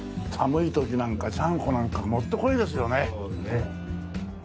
寒い時なんかちゃんこなんかもってこいですよね。